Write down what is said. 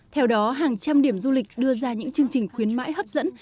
theo đó hàng trăm điểm du lịch đưa ra những chương trình khuyến mãi hấp dẫn